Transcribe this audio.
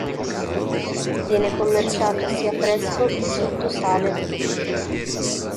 Viene commerciato sia fresco che sotto sale.